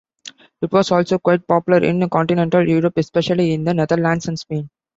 It was also quite popular in continental Europe, especially in the Netherlands and Spain.